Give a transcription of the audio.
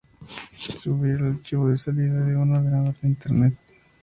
Subir es el archivo de salida de un ordenador a Internet.